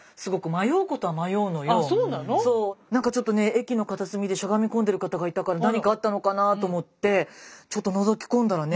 駅の片隅でしゃがみ込んでる方がいたから何かあったのかなと思ってちょっとのぞき込んだらね